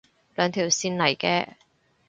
兩條線嚟嘅